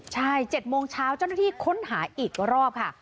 ใช่๗โมงเช้าเจ้าหน้าที่ค้นหาอีกรอบค่ะ